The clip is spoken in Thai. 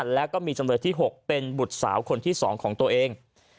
แล้วก็มีจำเลยที่๖เป็นบุตรสาวคนที่๒ของตัวเอง